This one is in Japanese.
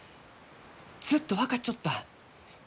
ずっと分かっちょった！